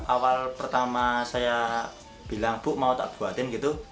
awal pertama saya bilang bu mau tak buatin gitu